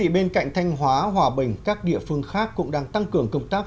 bên cạnh thanh hóa hòa bình các địa phương khác cũng đang tăng cường công tác